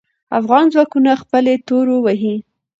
افغان ځواکونه خپلې تورو وهې.